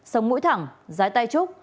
sống mũi thẳng dái tay trúc